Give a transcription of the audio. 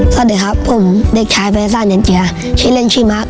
สวัสดีครับผมเด็กชายฟรรยาศาสตร์เย็นเจียชื่อเรนชีมัก